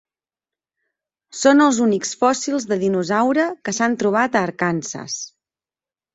Són els únics fòssils de dinosaure que s'han trobat a Arkansas.